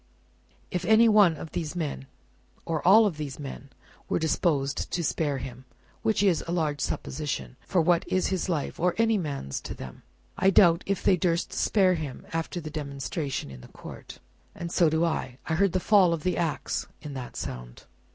"If any one of these men, or all of these men, were disposed to spare him which is a large supposition; for what is his life, or any man's to them! I doubt if they durst spare him after the demonstration in the court." "And so do I. I heard the fall of the axe in that sound."